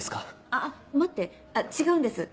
あぁ待って違うんです。